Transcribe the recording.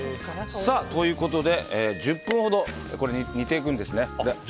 ということで１０分ほど煮ていくんですね。